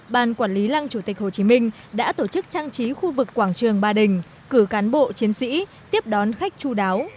ban quản lý lăng chủ tịch hồ chí minh đã tổ chức trang trí khu vực quảng trường ba đình cử cán bộ chiến sĩ tiếp đón khách chú đáo